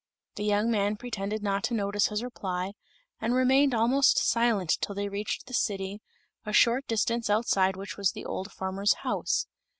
The young man pretended not to notice his reply, and remained almost silent till they reached the city, a short distance outside which was the old farmer's house.